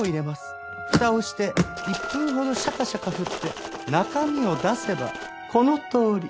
蓋をして１分ほどシャカシャカ振って中身を出せばこのとおり。